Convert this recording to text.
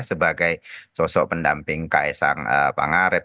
sebagai sosok pendamping ks ang pangarep